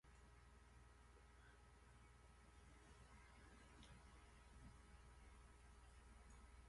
Carmelo Casas.